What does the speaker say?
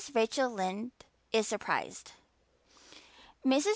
Rachel Lynde is Surprised MRS.